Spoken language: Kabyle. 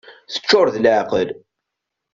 Teččur d leɛqel.